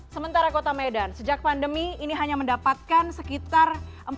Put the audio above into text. sementara kota medan sejak pandemi ini hanya mendapatkan sekitar